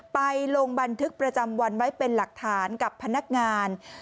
ลงบันทึกประจำวันไว้เป็นหลักฐานกับพนักงาน